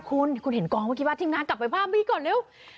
คุณคุณเห็นกองเมื่อกี้ว่าทีมงานกลับไปภาพบี้ก่อนเร็ว